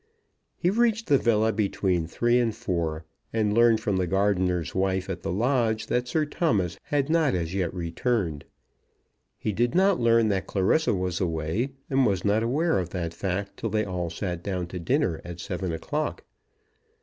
He reached the villa between three and four, and learned from the gardener's wife at the lodge that Sir Thomas had not as yet returned. He did not learn that Clarissa was away, and was not aware of that fact till they all sat down to dinner at seven o'clock.